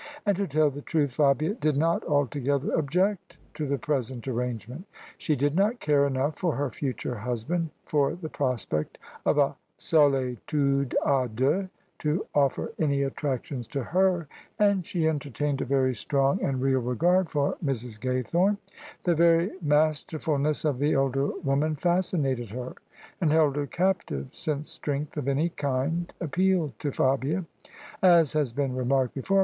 And, to tell the truth, Fabia did not altogether object to the present arrangement. She did not care enough for her future husband for the prospect of a solitude a deux to offer any attractions to her : and she entertained a very strong and real regard for Mrs. Gay thome. The very masterfulness of the elder woman fascin ated her and held her captive, since strength of any kind appealed to Fabia. As has been remarked before.